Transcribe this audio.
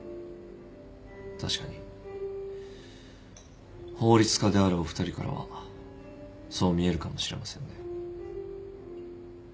確かに法律家であるお二人からはそう見えるかもしれませんね。